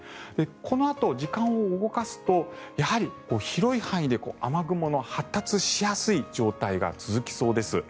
このあと時間を動かすとやはり広い範囲で雨雲の発達しやすい状態が続きそうです。